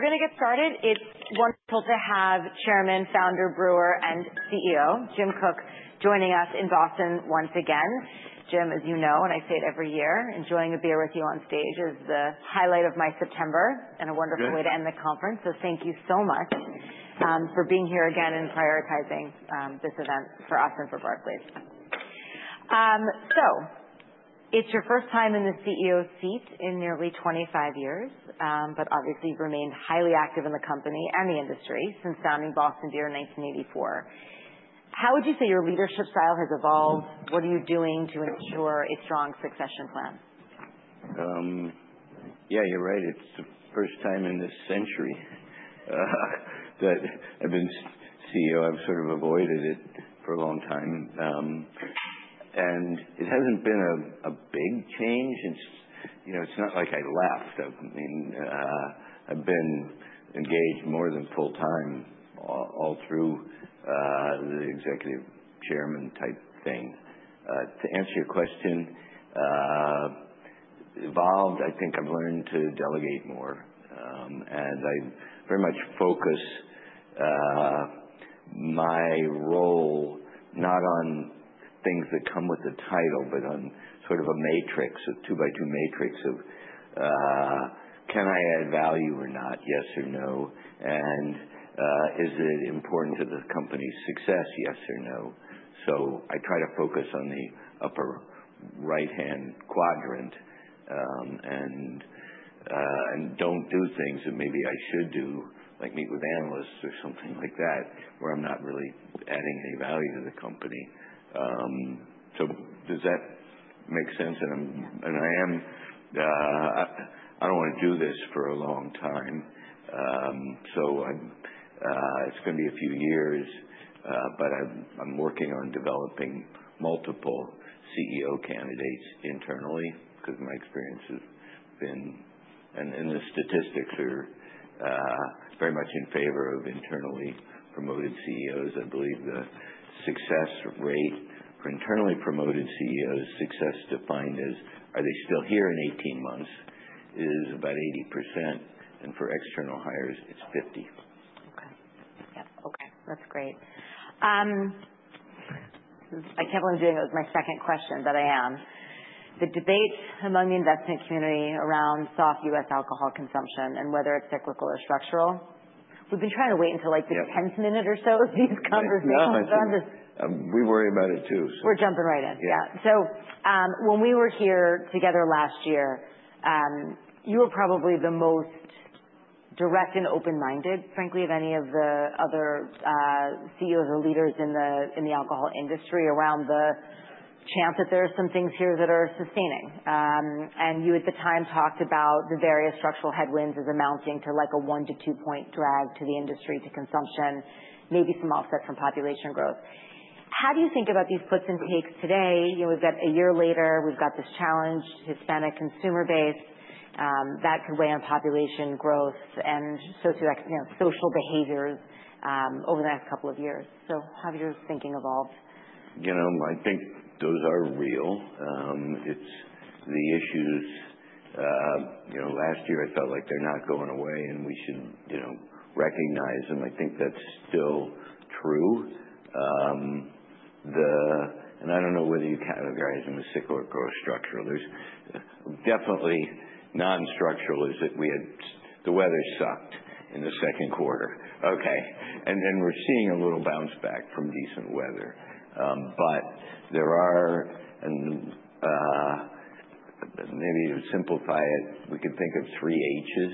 ...We're gonna get started. It's wonderful to have Chairman, Founder, Brewer, and CEO, Jim Koch, joining us in Boston once again. Jim, as you know, and I say it every year, enjoying a beer with you on stage is the highlight of my September- Good. And a wonderful way to end the conference. So thank you so much for being here again and prioritizing this event for us and for Barclays. So it's your first time in the CEO seat in nearly twenty-five years, but obviously you've remained highly active in the company and the industry since founding Boston Beer in 1984. How would you say your leadership style has evolved? What are you doing to ensure a strong succession plan? Yeah, you're right. It's the first time in this century that I've been CEO. I've sort of avoided it for a long time. And it hasn't been a big change. It's, you know, it's not like I left. I mean, I've been engaged more than full-time all through the executive chairman-type thing. To answer your question, evolved, I think I've learned to delegate more. And I very much focus my role not on things that come with the title, but on sort of a matrix, a two-by-two matrix of, can I add value or not? Yes or no. And is it important to the company's success, yes or no? So I try to focus on the upper right-hand quadrant, and don't do things that maybe I should do, like meet with analysts or something like that, where I'm not really adding any value to the company. So does that make sense? And I am. I don't want to do this for a long time. So I'm, it's gonna be a few years, but I'm working on developing multiple CEO candidates internally, because my experience has been, and the statistics are, very much in favor of internally promoted CEOs. I believe the success rate for internally promoted CEOs, success defined as, "Are they still here in 18 months?" is about 80%, and for external hires, it's 50%. Okay. Yeah. Okay, that's great. I kept on doing my second question, but I am. The debate among the investment community around soft U.S. alcohol consumption and whether it's cyclical or structural, we've been trying to wait until, like, the tenth minute or so of these conversations. We worry about it, too. We're jumping right in. Yeah. Yeah. So, when we were here together last year, you were probably the most direct and open-minded, frankly, of any of the other CEOs or leaders in the alcohol industry, around the chance that there are some things here that are sustaining. And you, at the time, talked about the various structural headwinds as amounting to, like, a one- to two-point drag to the industry, to consumption, maybe some offset from population growth. How do you think about these puts and takes today? You know, we've got a year later, we've got this challenged Hispanic consumer base that could weigh on population growth and socioeconomic, you know, social behaviors over the next couple of years. So how has your thinking evolved? You know, I think those are real. It's the issues, you know, last year I felt like they're not going away and we should, you know, recognize, and I think that's still true, and I don't know whether you'd categorize them as cyclical or structural. There's definitely cyclical, that is we had the weather sucked in the second quarter. Okay, and then we're seeing a little bounce back from decent weather, but there are, and maybe to simplify it, we could think of three Hs.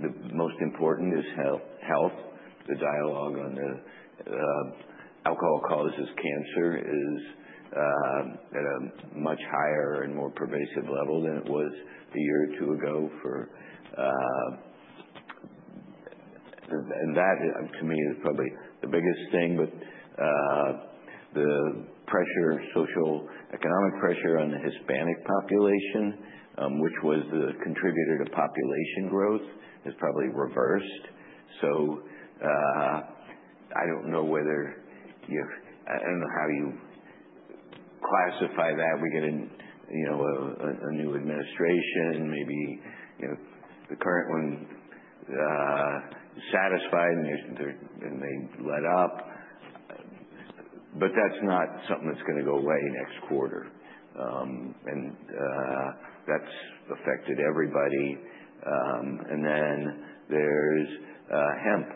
The most important is health, health. The dialogue on the alcohol causes cancer is at a much higher and more pervasive level than it was a year or two ago for, and that, to me, is probably the biggest thing. But the pressure, social, economic pressure on the Hispanic population, which was the contributor to population growth, is probably reversed. So I don't know whether you... I don't know how you classify that. We get an, you know, a new administration, maybe, you know, the current one satisfied, and they're and they let up. But that's not something that's gonna go away next quarter. And that's affected everybody. And then there's hemp,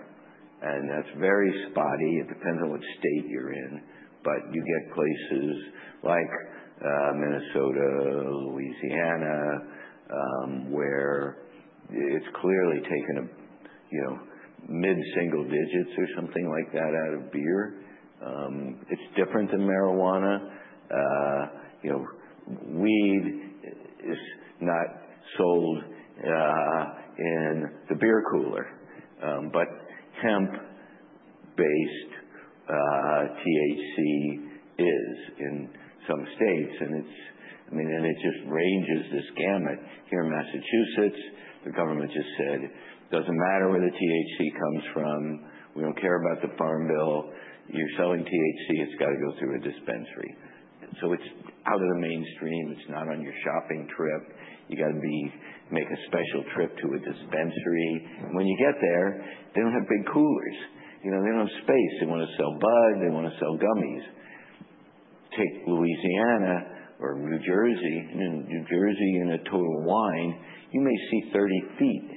and that's very spotty. It depends on which state you're in, but you get places like Minnesota, Louisiana, where it's clearly taken a, you know, mid-single digits or something like that out of beer. It's different than marijuana. You know, weed is not sold in the beer cooler, but hemp-based THC is in some states, and I mean, it just ranges this gamut. Here in Massachusetts, the government just said: "Doesn't matter where the THC comes from. We don't care about the Farm Bill. You're selling THC, it's got to go through a dispensary." So it's out of the mainstream. It's not on your shopping trip. You gotta make a special trip to a dispensary, and when you get there, they don't have big coolers. You know, they don't have space. They wanna sell bud, they wanna sell gummies. Take Louisiana or New Jersey. In New Jersey, in a Total Wine, you may see thirty feet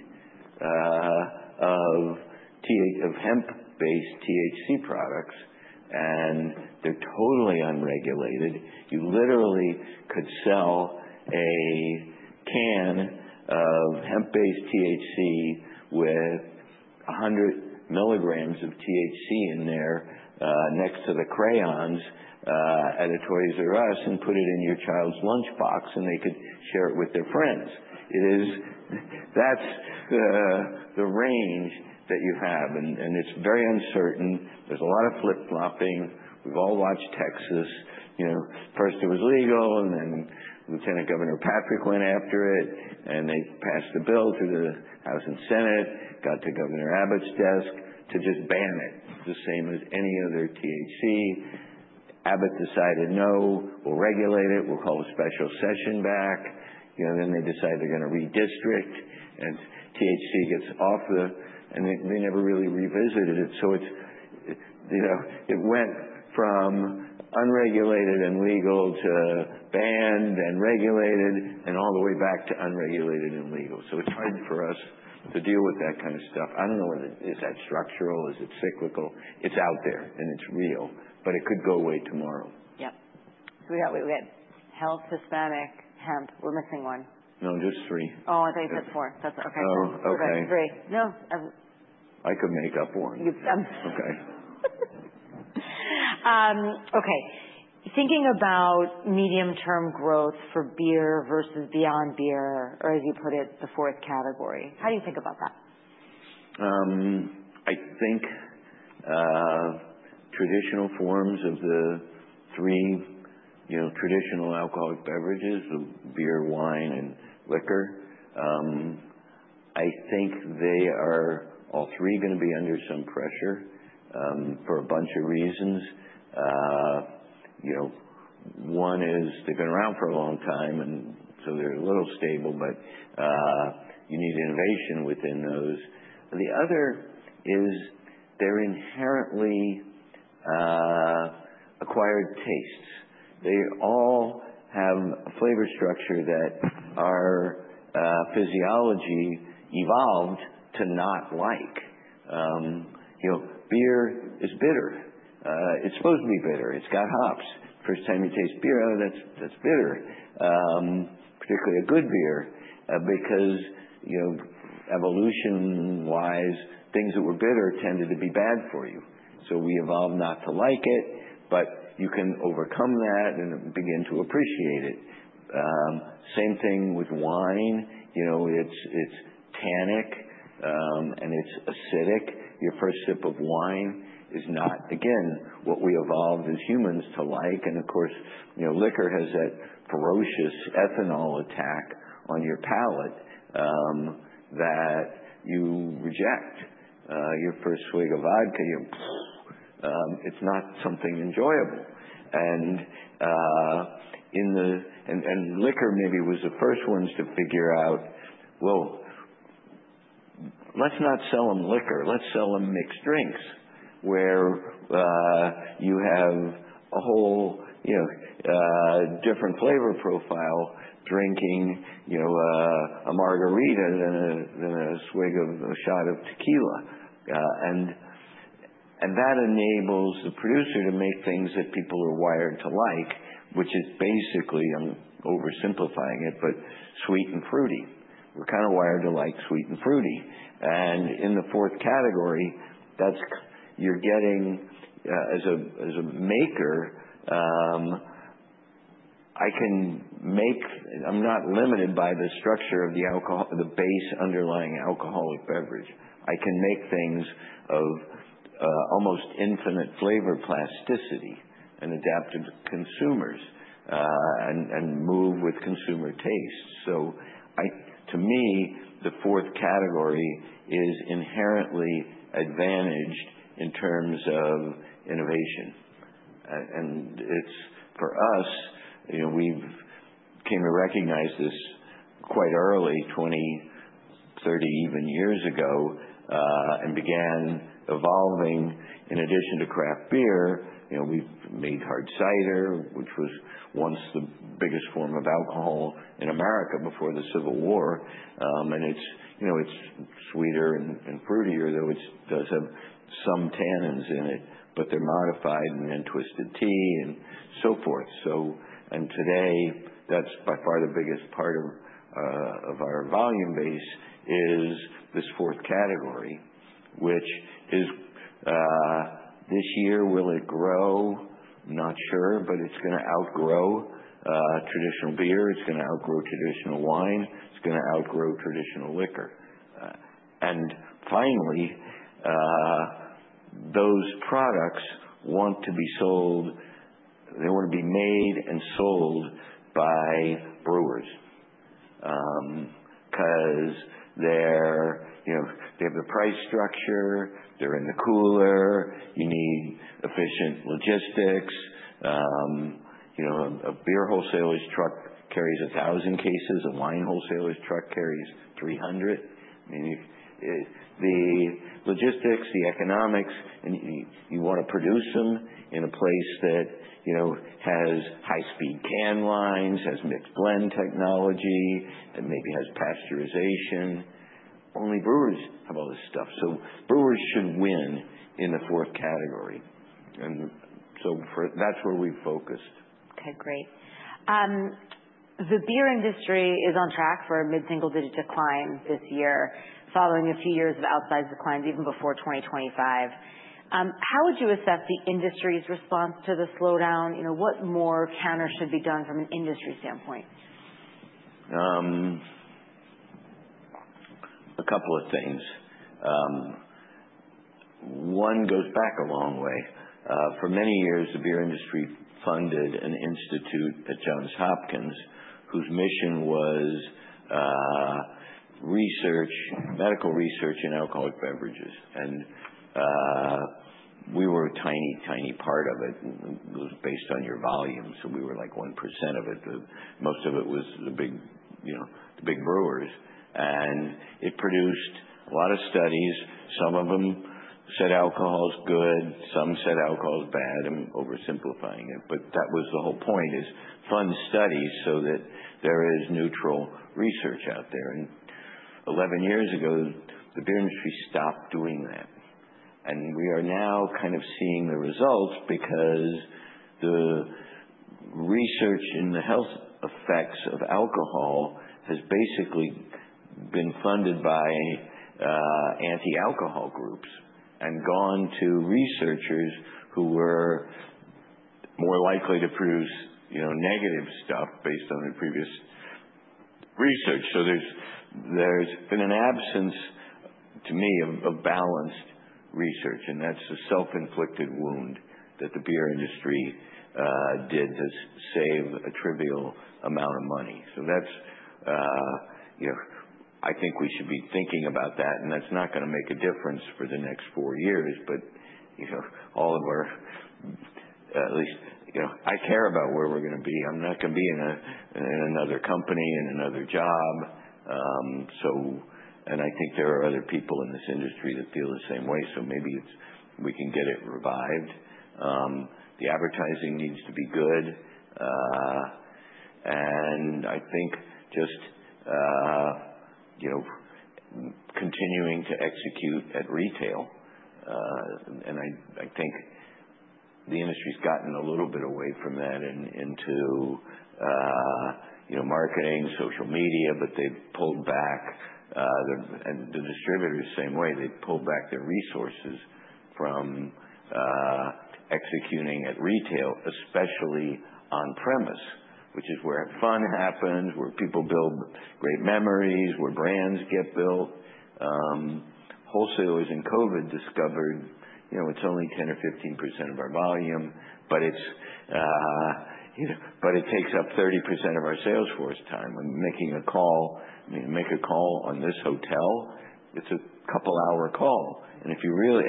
of hemp-based THC products, and they're totally unregulated. You literally could sell a can of hemp-based THC with a hundred milligrams of THC in there next to the crayons at a Toys "R" Us, and put it in your child's lunchbox, and they could share it with their friends. It is. That's the range that you have, and it's very uncertain. There's a lot of flip-flopping. We've all watched Texas. You know, first it was legal, and then Lieutenant Governor Patrick went after it, and they passed a bill through the House and Senate, got to Governor Abbott's desk to just ban it, the same as any other THC. Abbott decided, "No, we'll regulate it. We'll call a special session back." You know, then they decided they're gonna redistrict, and THC gets off the... And they never really revisited it, so it's you know it went from unregulated and legal to banned and regulated, and all the way back to unregulated and legal. So it's hard for us to deal with that kind of stuff. I don't know whether is that structural? Is it cyclical? It's out there, and it's real, but it could go away tomorrow. Yeah. So we got health, Hispanic, hemp. We're missing one. No, just three. Oh, I thought you said four. That's okay. Oh, okay. We've got three. No. I could make up one. You... Okay. Okay. Thinking about medium-term growth for beer versus beyond beer, or as you put it, the fourth category, how do you think about that? I think, traditional forms of the three, you know, traditional alcoholic beverages, the beer, wine, and liquor, I think they are all three gonna be under some pressure, for a bunch of reasons. You know, one is they've been around for a long time, and so they're a little stable, but, you need innovation within those. The other is, they're inherently, acquired tastes. They all have a flavor structure that our, physiology evolved to not like. You know, beer is bitter. It's supposed to be bitter. It's got hops. First time you taste beer, "Oh, that's, that's bitter," particularly a good beer, because, you know, evolution-wise, things that were bitter tended to be bad for you. So we evolved not to like it, but you can overcome that and begin to appreciate it. Same thing with wine. You know, it's tannic, and it's acidic. Your first sip of wine is not, again, what we evolved as humans to like, and of course, you know, liquor has that ferocious ethanol attack on your palate that you reject. Your first swig of vodka, you, it's not something enjoyable. And liquor maybe was the first ones to figure out, "Well, let's not sell them liquor. Let's sell them mixed drinks," where you have a whole, you know, different flavor profile drinking, you know, a margarita than a swig of a shot of tequila. And that enables the producer to make things that people are wired to like, which is basically, I'm oversimplifying it, but sweet and fruity. We're kinda wired to like sweet and fruity. In the fourth category, you're getting, as a maker, I can make. I'm not limited by the structure of the alcohol, the base, underlying alcoholic beverage. I can make things of almost infinite flavor plasticity and adapt to consumers and move with consumer taste. To me, the fourth category is inherently advantaged in terms of innovation. And it's, for us, you know, we've came to recognize this quite early, twenty, thirty even years ago and began evolving. In addition to craft beer, you know, we've made hard cider, which was once the biggest form of alcohol in America before the Civil War. And it's, you know, it's sweeter and fruitier, though it does have some tannins in it, but they're modified, and then Twisted Tea and so forth. And today, that's by far the biggest part of our volume base, is this fourth category, which is, this year, will it grow? Not sure, but it's gonna outgrow traditional beer. It's gonna outgrow traditional wine. It's gonna outgrow traditional liquor. And finally, those products want to be sold, they want to be made and sold by brewers. 'Cause they're, you know, they have the price structure, they're in the cooler, you need efficient logistics. You know, a beer wholesaler's truck carries a thousand cases. A wine wholesaler's truck carries three hundred. I mean, the logistics, the economics, and you wanna produce them in a place that, you know, has high speed can lines, has mixed blend technology, that maybe has pasteurization. Only brewers have all this stuff, so brewers should win in the fourth category, and so forth. That's where we've focused. Okay, great. The beer industry is on track for a mid-single digit decline this year, following a few years of outsized declines even before twenty twenty-five. How would you assess the industry's response to the slowdown? You know, what more can or should be done from an industry standpoint? A couple of things. One goes back a long way. For many years, the beer industry funded an institute at Johns Hopkins, whose mission was, research, medical research in alcoholic beverages, and, we were a tiny, tiny part of it. It was based on your volume, so we were, like, 1% of it. Most of it was the big, you know, the big brewers, and it produced a lot of studies. Some of them said alcohol is good, some said alcohol is bad. I'm oversimplifying it, but that was the whole point, is fund studies so that there is neutral research out there. Eleven years ago, the beer industry stopped doing that, and we are now kind of seeing the results, because the research in the health effects of alcohol has basically been funded by anti-alcohol groups and gone to researchers who were more likely to produce, you know, negative stuff based on their previous research. So there's been an absence, to me, of balanced research, and that's a self-inflicted wound that the beer industry did to save a trivial amount of money. So that's, you know, I think we should be thinking about that, and that's not gonna make a difference for the next four years, but, you know, all of our... At least, you know, I care about where we're gonna be. I'm not gonna be in another company, in another job. So, and I think there are other people in this industry that feel the same way, so maybe it's, we can get it revived. The advertising needs to be good, and I think just, you know, continuing to execute at retail. And I think the industry's gotten a little bit away from that and into, you know, marketing, social media, but they've pulled back, and the distributors, same way, they've pulled back their resources from, executing at retail, especially on-premise, which is where fun happens, where people build great memories, where brands get built. Wholesalers in COVID discovered, you know, it's only 10 or 15% of our volume, but it's, you know, but it takes up 30% of our sales force time. When making a call, make a call on this hotel. It's a couple hour call, and if you really,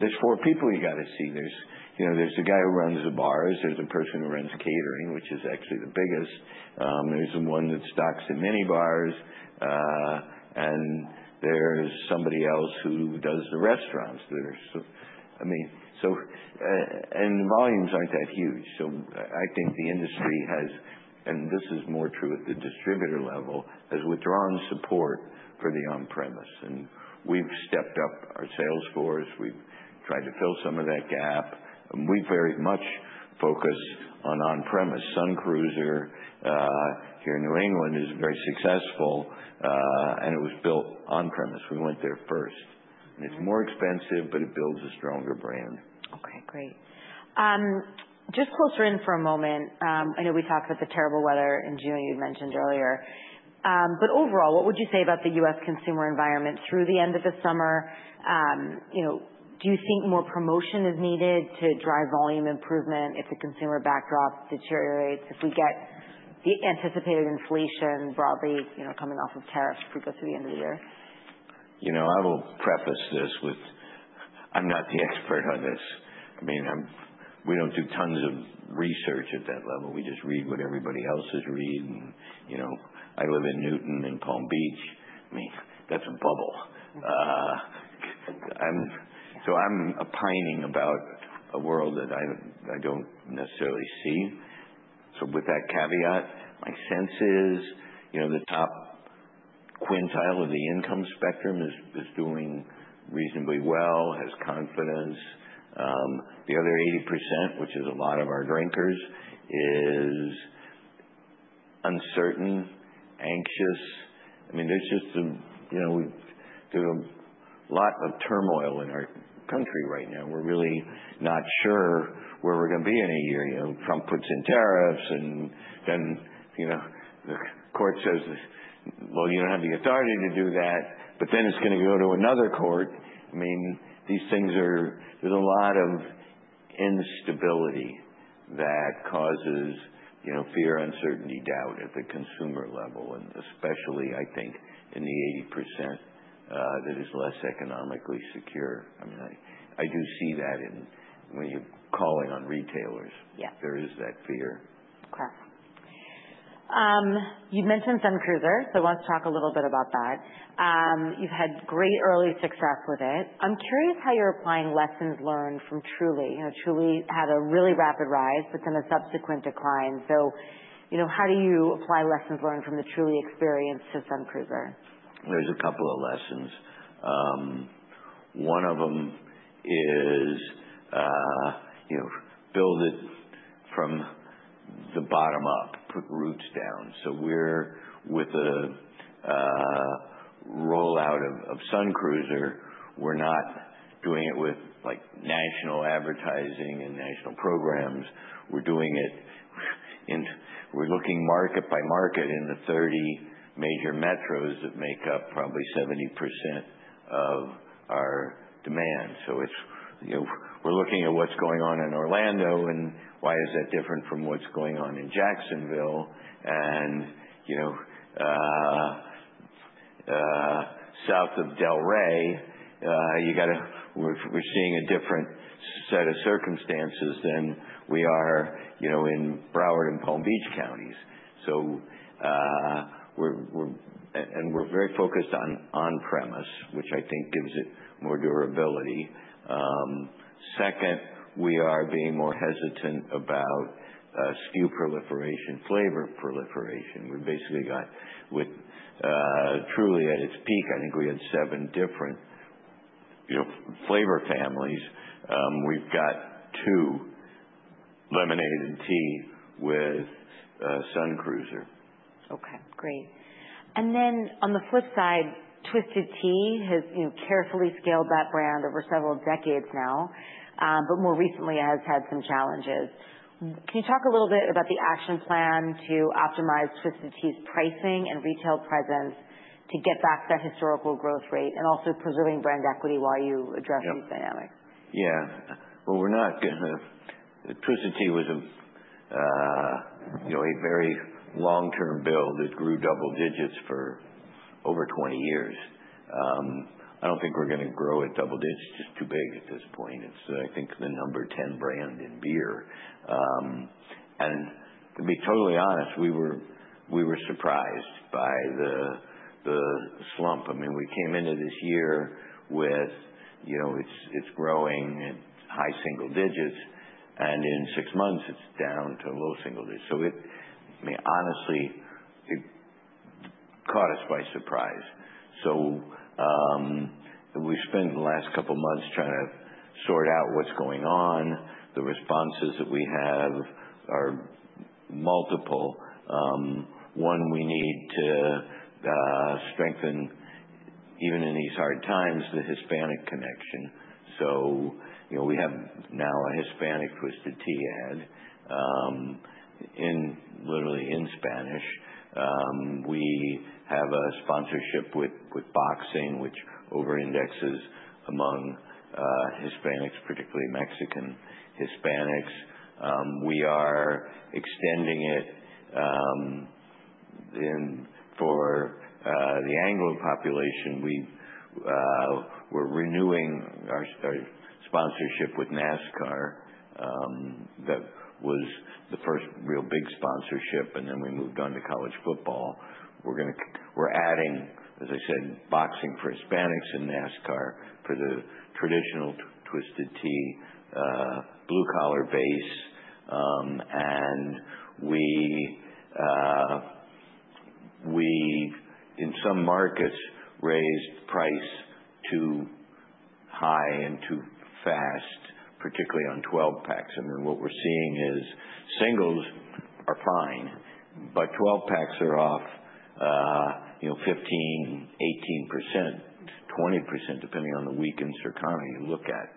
there's four people you gotta see. There's, you know, there's the guy who runs the bars, there's a person who runs catering, which is actually the biggest, there's the one that stocks the mini bars, and there's somebody else who does the restaurants, so I mean, and the volumes aren't that huge, so I think the industry has, and this is more true at the distributor level, has withdrawn support for the on-premise, and we've stepped up our sales force. We've tried to fill some of that gap, and we very much focus on on-premise. Sun Cruiser, here in New England, is very successful, and it was built on-premise. We went there first, and it's more expensive, but it builds a stronger brand. Okay, great. Just closer in for a moment. I know we talked about the terrible weather in June, you mentioned earlier. But overall, what would you say about the U.S. consumer environment through the end of the summer? You know, do you think more promotion is needed to drive volume improvement if the consumer backdrop deteriorates, if we get the anticipated inflation broadly, you know, coming off of tariffs through the end of the year? You know, I will preface this with, I'm not the expert on this. I mean, we don't do tons of research at that level. We just read what everybody else is reading. You know, I live in Newton and Palm Beach. I mean, that's a bubble. So I'm opining about a world that I don't necessarily see. So with that caveat, my sense is, you know, the top quintile of the income spectrum is doing reasonably well, has confidence. The other 80%, which is a lot of our drinkers, is uncertain, anxious. I mean, you know, there's a lot of turmoil in our country right now. We're really not sure where we're gonna be in a year. You know, Trump puts in tariffs, and then, you know, the court says this. Well, you don't have the authority to do that, but then it's gonna go to another court. I mean, these things are. There's a lot of instability that causes, you know, fear, uncertainty, doubt at the consumer level, and especially, I think, in the 80% that is less economically secure. I mean, I do see that in when you're calling on retailers. Yeah. There is that fear. Correct. You mentioned Sun Cruiser, so let's talk a little bit about that. You've had great early success with it. I'm curious how you're applying lessons learned from Truly. You know, Truly had a really rapid rise, but then a subsequent decline. So, you know, how do you apply lessons learned from the Truly experience to Sun Cruiser? There's a couple of lessons. One of them is, you know, build it from the bottom up, put roots down. So we're, with the rollout of Sun Cruiser, we're not doing it with, like, national advertising and national programs. We're doing it in. We're looking market by market in the 30 major metros that make up probably 70% of our demand. So it's, you know, we're looking at what's going on in Orlando, and why is that different from what's going on in Jacksonville? And, you know, south of Delray, we're seeing a different set of circumstances than we are, you know, in Broward and Palm Beach counties. So, we're. And we're very focused on on-premise, which I think gives it more durability. Second, we are being more hesitant about SKU proliferation, flavor proliferation. We basically got with Truly at its peak, I think we had seven different, you know, flavor families. We've got two, lemonade and tea, with Sun Cruiser. Okay, great. And then, on the flip side, Twisted Tea has, you know, carefully scaled that brand over several decades now, but more recently, it has had some challenges. Can you talk a little bit about the action plan to optimize Twisted Tea's pricing and retail presence to get back that historical growth rate and also preserving brand equity while you address- Yeah. -those dynamics? Yeah, well, we're not gonna Twisted Tea was a, you know, a very long-term build that grew double digits for over twenty years. I don't think we're gonna grow at double digits. It's just too big at this point. It's, I think, the number 10 brand in beer. And to be totally honest, we were surprised by the slump. I mean, we came into this year with, you know, it's growing at high single digits, and in six months, it's down to low single digits. So, it, I mean, honestly, it caught us by surprise. So, we've spent the last couple months trying to sort out what's going on. The responses that we have are multiple. One, we need to strengthen, even in these hard times, the Hispanic connection. So, you know, we have now a Hispanic Twisted Tea ad in literally in Spanish. We have a sponsorship with boxing, which over indexes among Hispanics, particularly Mexican Hispanics. We are extending it into the Anglo population. We've we're renewing our sponsorship with NASCAR. That was the first real big sponsorship, and then we moved on to college football. We're gonna we're adding, as I said, boxing for Hispanics and NASCAR for the traditional Twisted Tea blue-collar base. And we, we in some markets raised price too high and too fast, particularly on twelve packs. And then what we're seeing is singles are fine, but twelve packs are off, you know, 15%, 18%, 20%, depending on the week and circumstance you look at.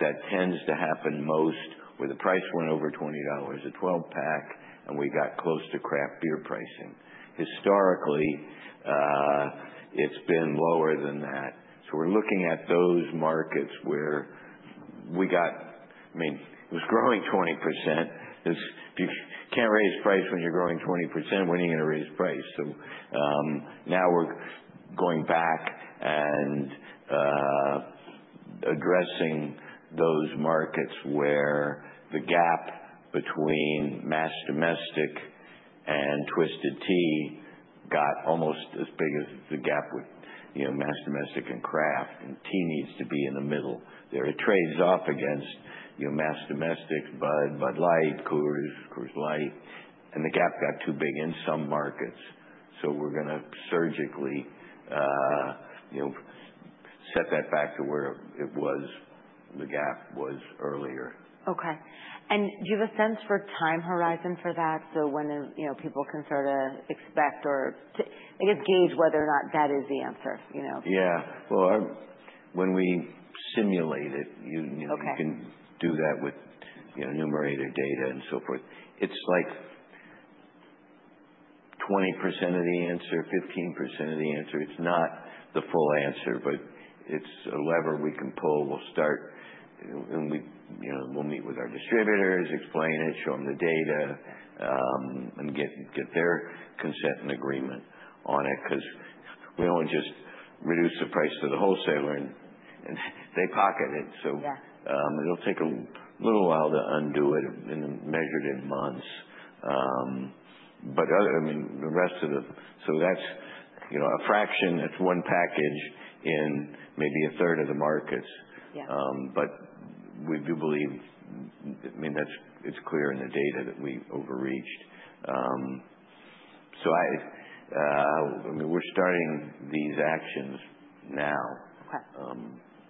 That tends to happen most where the price went over $20 a 12-pack, and we got close to craft beer pricing. Historically, it's been lower than that. So we're looking at those markets where we got. I mean, it was growing 20%. It's, you can't raise price when you're growing 20%. When are you gonna raise price? So now we're going back and addressing those markets where the gap between mass domestic and Twisted Tea got almost as big as the gap with, you know, mass domestic and craft, and Tea needs to be in the middle. There are trades off against, you know, mass domestic, Bud, Bud Light, Coors, Coors Light, and the gap got too big in some markets. So we're gonna surgically, you know, set that back to where it was, the gap was earlier. Okay. And do you have a sense for time horizon for that? So when, you know, people can sorta expect or I guess, gauge whether or not that is the answer, you know? Yeah. Well, when we simulate it, you- Okay. You know, numerator data and so forth. It's like 20% of the answer, 15% of the answer. It's not the full answer, but it's a lever we can pull. We'll start, and we, you know, we'll meet with our distributors, explain it, show them the data, and get their consent and agreement on it, because we don't want to just reduce the price to the wholesaler, and they pocket it. Yeah. So, it'll take a little while to undo it and measured in months. But other than, I mean, the rest of the... So that's, you know, a fraction. It's one package in maybe a third of the markets. Yeah. But we do believe, I mean, that's, it's clear in the data that we overreached. So, I mean, we're starting these actions now.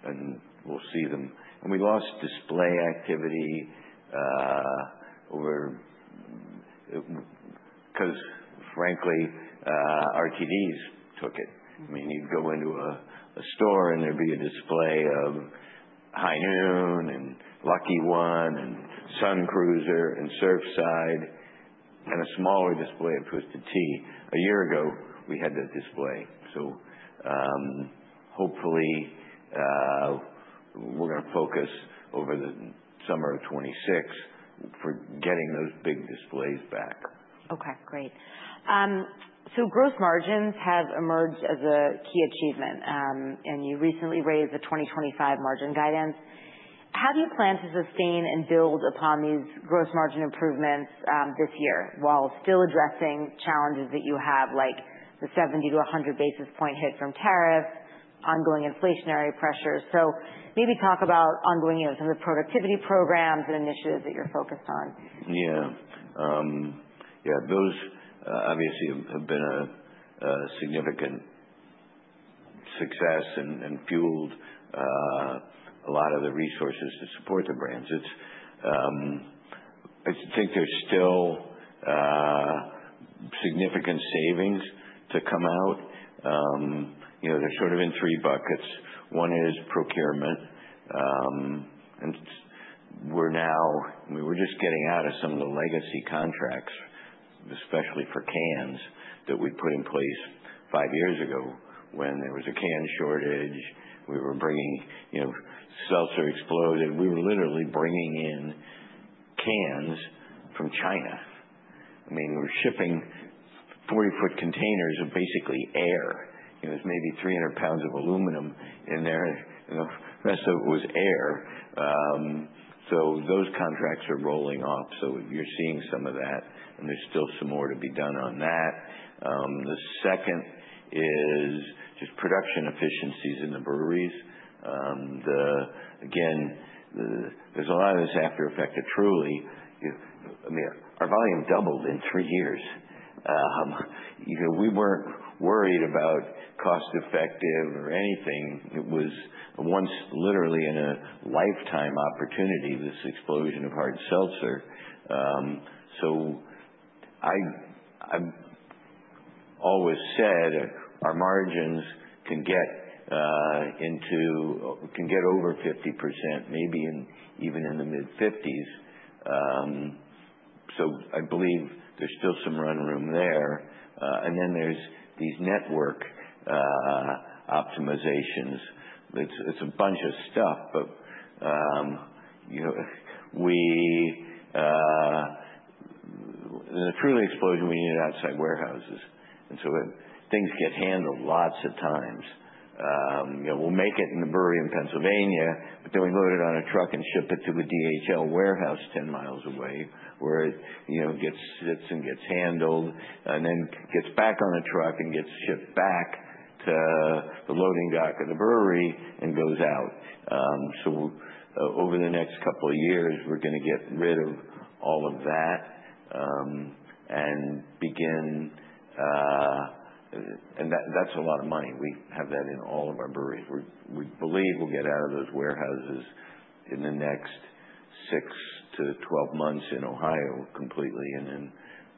Okay. We'll see them. We lost display activity over because, frankly, RTDs took it. I mean, you'd go into a store, and there'd be a display of High Noon and Lucky One and Sun Cruiser and Surfside, and a smaller display of Twisted Tea. A year ago, we had that display, so, hopefully, we're going to focus over the summer of 2026 for getting those big displays back. Okay, great. So gross margins have emerged as a key achievement, and you recently raised the 2025 margin guidance. How do you plan to sustain and build upon these gross margin improvements, this year, while still addressing challenges that you have, like the 70 to 100 basis point hit from tariffs, ongoing inflationary pressures? So maybe talk about ongoing, you know, some of the productivity programs and initiatives that you're focused on. Yeah. Yeah, those obviously have been a significant success and fueled a lot of the resources to support the brands. I think there's still significant savings to come out. You know, they're sort of in three buckets. One is procurement. And we're now just getting out of some of the legacy contracts, especially for cans, that we put in place five years ago when there was a can shortage. We were bringing, you know, seltzer exploded. We were literally bringing in cans from China. I mean, we were shipping 40-foot containers of basically air. You know, there's maybe 300 pounds of aluminum in there, and you know, the rest of it was air. So those contracts are rolling off. So you're seeing some of that, and there's still some more to be done on that. The second is just production efficiencies in the breweries. Again, there's a lot of this after effect of Truly. I mean, our volume doubled in three years. You know, we weren't worried about cost-effective or anything. It was a once, literally, in a lifetime opportunity, this explosion of hard seltzer. So I've always said our margins can get over 50%, maybe even in the mid-50s. So I believe there's still some run room there. And then there's these network optimizations. It's a bunch of stuff, but you know, we... In the Truly explosion, we needed outside warehouses, and so things get handled lots of times. You know, we'll make it in the brewery in Pennsylvania, but then we load it on a truck and ship it to a DHL warehouse ten miles away, where it you know gets sits and gets handled. And then gets back on a truck and gets shipped back to the loading dock of the brewery and goes out. So over the next couple of years, we're going to get rid of all of that. And that's a lot of money. We have that in all of our breweries. We believe we'll get out of those warehouses in the next six to 12 months in Ohio, completely, and then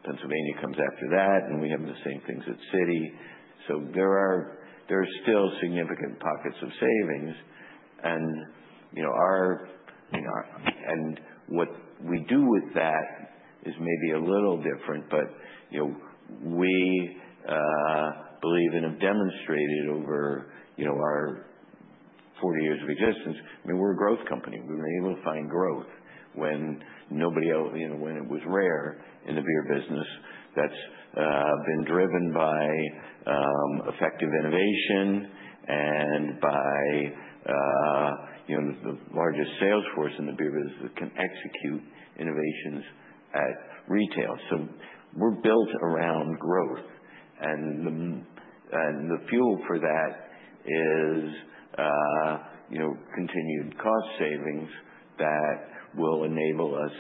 Pennsylvania comes after that, and we have the same things at Cincy. So there are still significant pockets of savings. You know, what we do with that is maybe a little different, but you know, we believe and have demonstrated over you know, our forty years of existence. I mean, we're a growth company. We were able to find growth when nobody else you know, when it was rare in the beer business. That's been driven by effective innovation and by you know, the largest sales force in the beer business that can execute innovations at retail. So we're built around growth, and the fuel for that is you know, continued cost savings that will enable us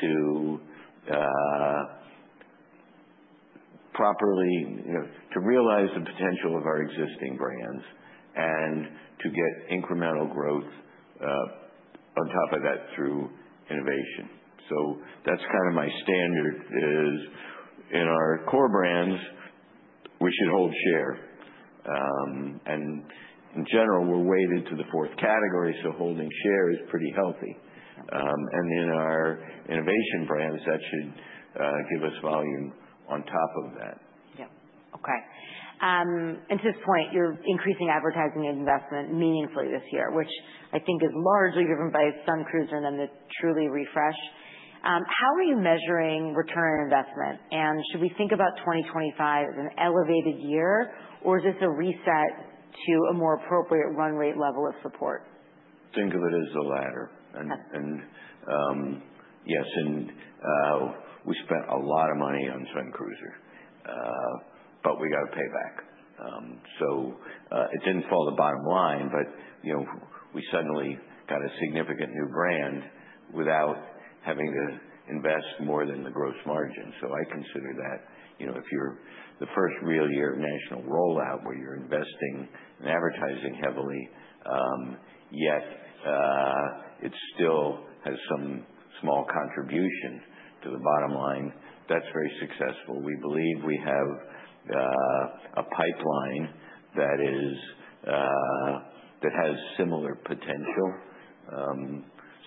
to properly you know, to realize the potential of our existing brands and to get incremental growth on top of that, through innovation. So that's kind of my standard is in our core brands. We should hold share. And in general, we're weighted to the fourth Category, so holding share is pretty healthy. And then our innovation brands, that should give us volume on top of that. Yeah. Okay. And to this point, you're increasing advertising investment meaningfully this year, which I think is largely driven by Sun Cruiser and then the Truly Refresh. How are you measuring return on investment? And should we think about twenty twenty-five as an elevated year, or is this a reset to a more appropriate run rate level of support? Think of it as the latter. Okay. Yes, we spent a lot of money on Sun Cruiser, but we got a payback. So, it didn't fall to the bottom line, but you know, we suddenly got a significant new brand without having to invest more than the gross margin. So I consider that, you know, if you're the first real year of national rollout, where you're investing in advertising heavily, yet it still has some small contribution to the bottom line, that's very successful. We believe we have a pipeline that has similar potential.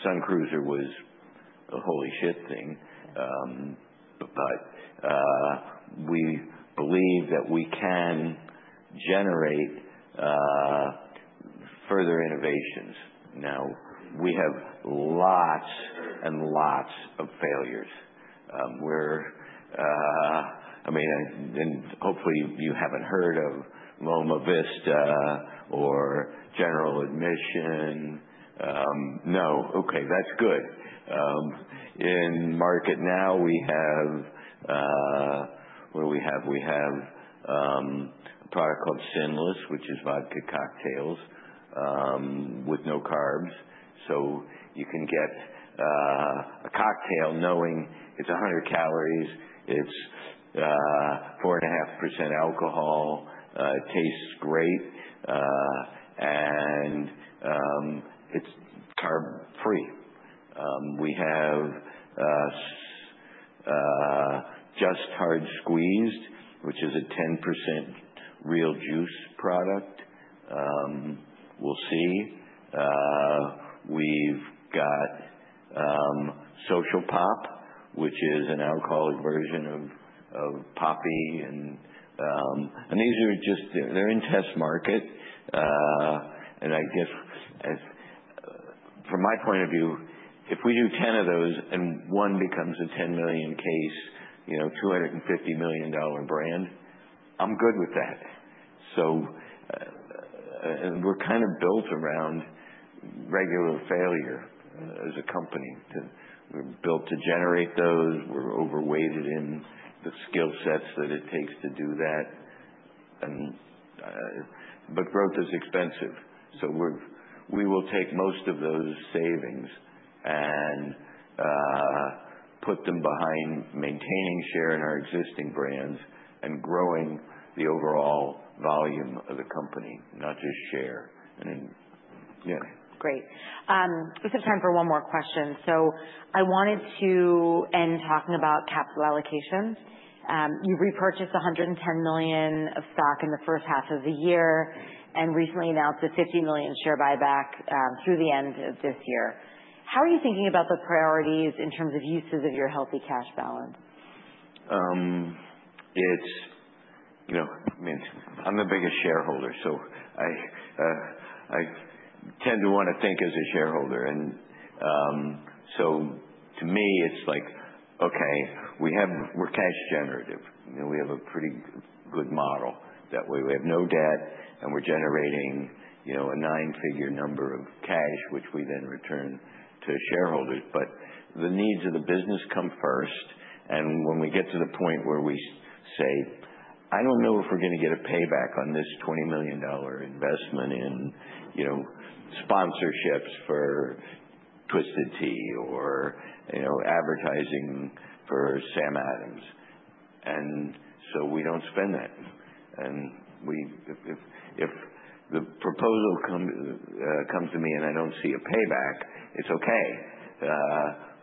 Sun Cruiser was a holy shit thing. But we believe that we can generate further innovations. Now, we have lots and lots of failures. I mean, hopefully you haven't heard of Loma Vista or General Admission. No. Okay, that's good. In market now, we have, what do we have? We have, a product called Sinless, which is vodka cocktails, with no carbs. So you can get, a cocktail knowing it's 100 calories, it's, 4.5% alcohol, it tastes great, and, it's carb-free. We have, Just Hard Squeezed, which is a 10% real juice product. We'll see. We've got, Social Pop, which is an alcoholic version of Poppi and, and these are just... They're in test market. And I guess, as from my point of view, if we do 10 of those, and one becomes a 10 million case, you know, $250 million brand, I'm good with that. So, and we're kind of built around regular failure as a company. We're built to generate those, we're overweighted in the skill sets that it takes to do that, and but growth is expensive, so we will take most of those savings and put them behind maintaining share in our existing brands and growing the overall volume of the company, not just share. And, yeah. Great. We just have time for one more question, so I wanted to end talking about capital allocation. You repurchased $110 million of stock in the first half of the year and recently announced a $50 million share buyback, through the end of this year. How are you thinking about the priorities in terms of uses of your healthy cash balance? It's, you know, I mean, I'm the biggest shareholder, so I tend to want to think as a shareholder. So to me, it's like, okay, we have, we're cash generative, and we have a pretty good model that way. We have no debt, and we're generating, you know, a nine-figure number of cash, which we then return to shareholders. But the needs of the business come first, and when we get to the point where we say, "I don't know if we're gonna get a payback on this $20 million investment in, you know, sponsorships for Twisted Tea or, you know, advertising for Sam Adams," and so we don't spend that. And we, if the proposal comes to me, and I don't see a payback, it's okay.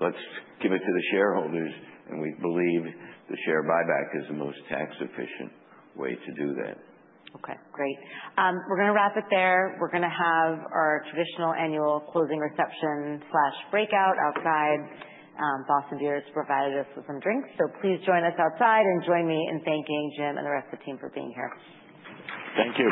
Let's give it to the shareholders, and we believe the share buyback is the most tax-efficient way to do that. Okay, great. We're gonna wrap it there. We're gonna have our traditional annual closing reception slash breakout outside. Boston Beer has provided us with some drinks, so please join us outside and join me in thanking Jim and the rest of the team for being here. Thank you.